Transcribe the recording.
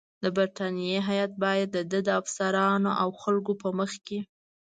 د برټانیې هیات باید د ده د افسرانو او خلکو په مخ کې.